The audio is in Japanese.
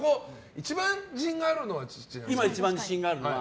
一番自信があるのは？